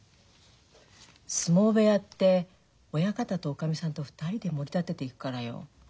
相撲部屋って親方とおかみさんと二人でもり立てていくからよ。